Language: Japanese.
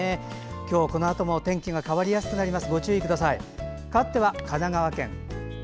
今日、このあともお天気が変わりやすくなります。